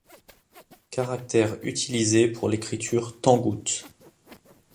Caractères utilisés pour l'Écriture tangoute.